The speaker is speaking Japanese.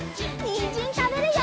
にんじんたべるよ！